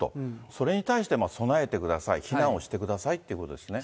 それに対して、備えてください、避難をしてくださいってことですね。